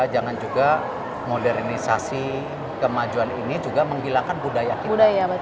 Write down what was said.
jangan juga modernisasi kemajuan ini juga menghilangkan budaya kita